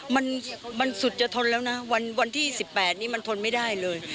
มันมันสุดจะทนแล้วนะวันวันที่สิบแปดนี้มันทนไม่ได้เลย